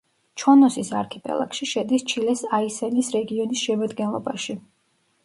ჩონოსის არქიპელაგში, შედის ჩილეს აისენის რეგიონის შემადგენლობაში.